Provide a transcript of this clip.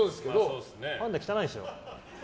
パンダ汚いですよ。